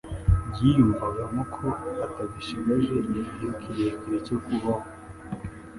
Yiyumvagamo ko atagishigaje igihe kirekire cyo kubaho,